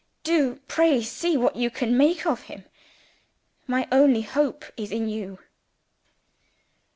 Do pray see what you can make of him! My only hope is in you."